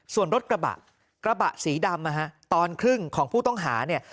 ส่วนรถกระบะกระบะสีดำนะฮะตอนครึ่งของผู้ต้องหาเนี่ย